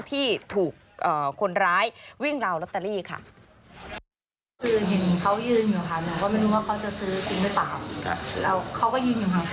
พอเราเผลอแป๊บหนึ่งเค้าก็ดึงแล้วก็รีบเค้าก็ไปเลย